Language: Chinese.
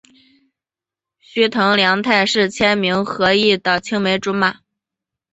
须藤良太是千明和义的青梅竹马。